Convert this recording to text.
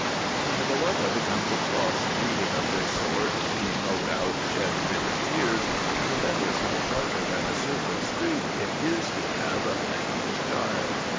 When the Beloved comes across reading of this sort he no doubt sheds bitter tears, and remembers how sharper than a serpent's tooth it is to have a thankless child.